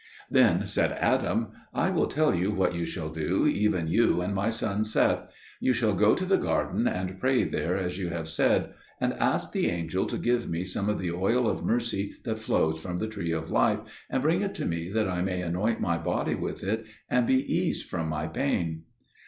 Then said Adam, "I will tell you what you shall do, even you and my son Seth: you shall go to the garden and pray there as you have said, and ask the angel to give me some of the oil of mercy that flows from the Tree of Life, and bring it to me that I may anoint my body with it, and be eased from my pain."